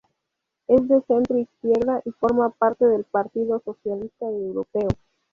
Es de centro-izquierda y forma parte del Partido Socialista Europeo.